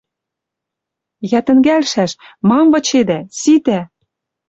«Йӓ, тӹнгӓлшӓш! Мам вычедӓ? Ситӓ!